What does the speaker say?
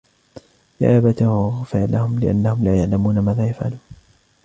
يَا أَبَتَاهُ اغْفِرْ لَهُمْ لأَنَّهُمْ لاَ يَعْلَمُونَ مَاذَا يَفْعَلُونَ